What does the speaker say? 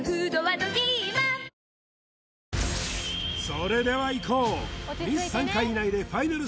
それではいこう進出